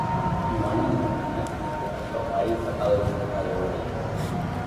Mwaana noowula ni khupattha omwari, papawe khulupa yoori.